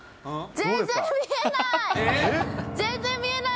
全然見えない。